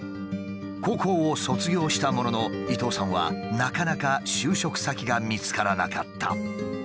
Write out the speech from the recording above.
高校を卒業したものの伊東さんはなかなか就職先が見つからなかった。